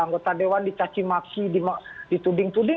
anggota dewan dicaci maksi dituding tuding